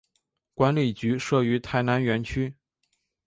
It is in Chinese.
管理局设于台南园区。